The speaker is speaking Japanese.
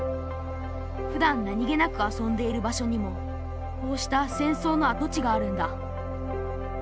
ふだん何気なく遊んでいる場所にもこうした戦争の跡地があるんだ。